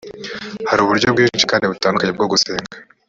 hari uburyo bwinshi kandi butandukanye bwo gusenga